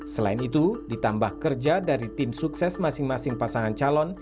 selain itu ditambah kerja dari tim sukses masing masing pasangan calon